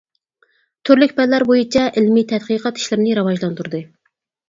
تۈرلۈك پەنلەر بويىچە ئىلمىي تەتقىقات ئىشلىرىنى راۋاجلاندۇردى.